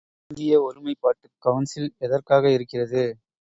இந்திய ஒருமைப்பாட்டுக் கவுன்சில் எதற்காக இருக்கிறது?